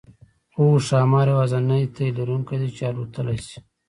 هو ښامار یوازینی تی لرونکی دی چې الوتلی شي